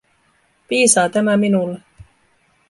Piisaa tämä minulle.